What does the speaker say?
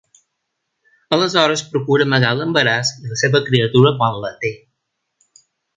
Aleshores, procura amagar l’embaràs i a la seva criatura quan la té.